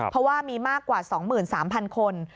เพราะว่ามีมากกว่า๒๓๐๐คน